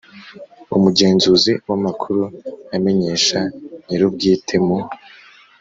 Umugenzuzi w amakuru amenyesha nyir ubwite mu